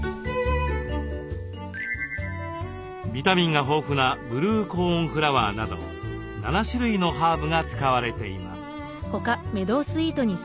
ビタミンが豊富なブルーコーンフラワーなど７種類のハーブが使われています。